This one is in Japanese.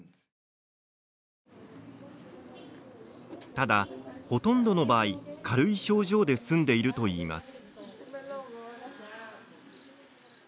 ただ、ほとんどの場合軽い症状で済んでいるといいます。